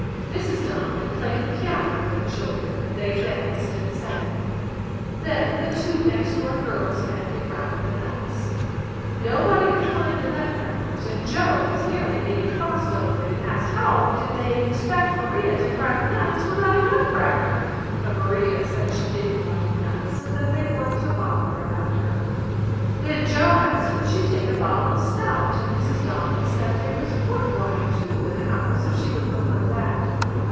Mrs Donnelly played the piano for the children and they danced and sang. Then the two next door girls handed round the nuts. Nobody could find the nutcrackers and Joe was nearly getting cross over it and asked how did they expect Maria to crack nuts without a nutcracker. But Maria said she didn't like nuts and that they weren't to bother about her. Then Joe asked would she take a bottle of stout and Mrs Donnelly said there was port wine too in the house if she would prefer that.